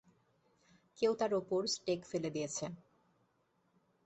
কেউ তার ওপর স্টেক ফেলে দিয়েছে।